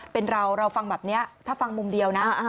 เป็นเราเราฟังแบบนี้ถ้าฟังมุมเดียวนะ